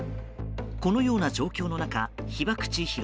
このような状況の中被爆地・